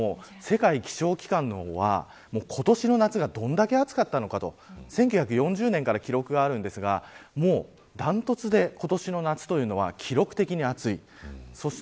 秋の彼岸に入るんですが世界気象機関は今年の夏がどれだけ暑かったのかと１９４０年から記録があるんですがダントツで今年の夏は記録的に暑い。